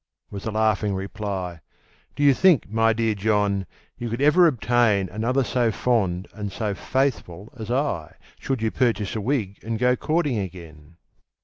was the laughing reply; "Do you think, my dear John, you could ever obtain Another so fond and so faithful as I, Should you purchase a wig, and go courting again?"